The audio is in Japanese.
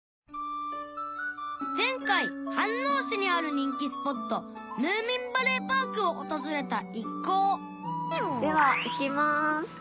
前回飯能市にある人気スポットムーミンバレーパークを訪れた一行ではいきます。